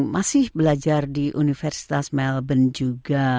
masih belajar di universitas melbourne juga